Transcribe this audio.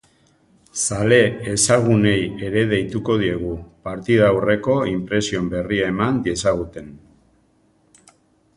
Zale ezagunei ere deituko diegu, partida aurreko inpresioen berri eman diezaguten.